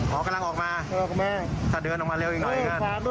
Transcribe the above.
กำลังออกมาออกมาถ้าเดินออกมาเร็วอย่างไรอย่างงั้นเออ